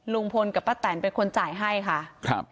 ลุงพลกับป้าแตนเป็นคนจ่ายให้ค่ะครับ